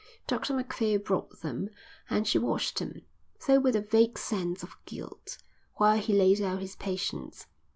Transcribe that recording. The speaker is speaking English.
Dr Macphail brought them and she watched him, though with a vague sense of guilt, while he laid out his patience.